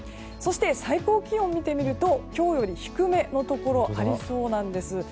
そして最高気温を見てみると今日より低めのところありそうなんです。